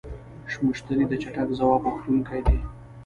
مشتری د چټک ځواب غوښتونکی دی.